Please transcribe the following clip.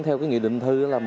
theo cái nghị định thư